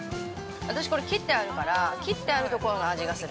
私これ切ってあるから、切ってあるところの味がする。